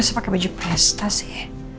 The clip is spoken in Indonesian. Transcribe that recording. masa pake baju pesta sih